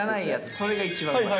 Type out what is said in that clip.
それが一番うまい。